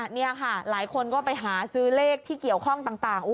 นี่ค่ะหลายคนก็ไปหาซื้อเลขที่เกี่ยวข้องต่าง